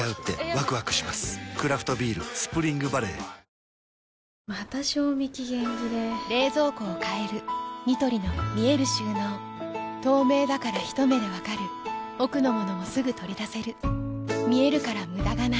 クラフトビール「スプリングバレー」また賞味期限切れ冷蔵庫を変えるニトリの見える収納透明だからひと目で分かる奥の物もすぐ取り出せる見えるから無駄がないよし。